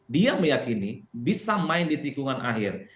dia meyakini bisa main di tikungan akhir